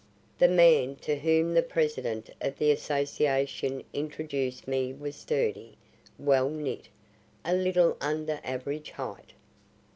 The man to whom the President of the Association introduced me was sturdy, well knit, a little under average height.